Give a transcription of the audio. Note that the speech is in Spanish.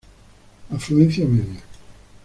Afluencia media.